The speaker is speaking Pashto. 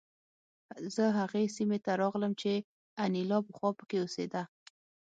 زه هغې سیمې ته راغلم چې انیلا پخوا پکې اوسېده